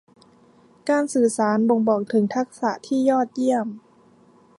การสื่อสารบ่งบอกถึงทักษะที่ยอดเยี่ยม